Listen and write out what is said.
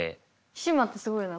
島ってすごいな。